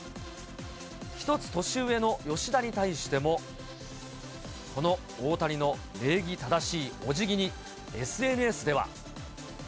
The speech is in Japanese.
１つ年上の吉田に対しても、この大谷の礼儀正しいおじぎにＳＮＳでは。